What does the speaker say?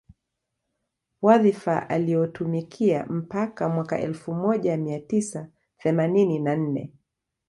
Wadhifa alioutumikia mpaka Mwaka elfu moja mia tisa themanini na nne